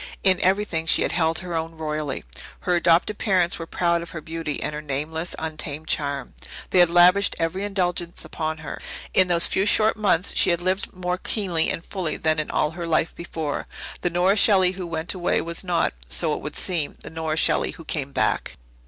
In everything she had held her own royally. Her adopted parents were proud of her beauty and her nameless, untamed charm. They had lavished every indulgence upon her. In those few short months she had lived more keenly and fully than in all her life before. The Nora Shelley who went away was not, so it would seem, the Nora Shelley who came back.